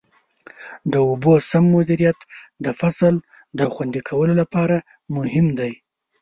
د اوبو سم مدیریت د فصل د خوندي کولو لپاره مهم دی.